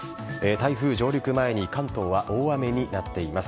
台風上陸前に関東は大雨になっています。